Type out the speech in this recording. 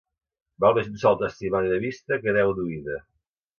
Val més un sol testimoni de vista que deu d'oïda.